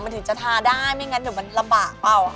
มันถึงจะทาได้ไม่งั้นเดี๋ยวมันลำบากเปล่า